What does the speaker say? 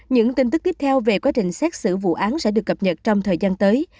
những tin tức tiếp theo về quá trình xét xử vụ án sẽ được cập nhật trong thời gian tới